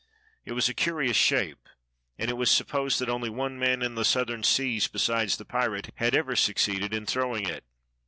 It was a curious shape, and it was supposed that only one man in the Southern Seas besides the pirate had ever succeeded in throwing it.